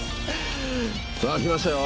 さぁ来ましたよ